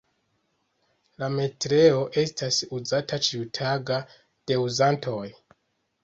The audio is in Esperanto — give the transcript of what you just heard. La metroo estas uzata ĉiutage de uzantoj.